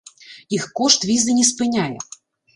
Іх кошт візы не спыняе!